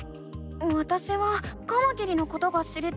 わたしはカマキリのことが知りたいの。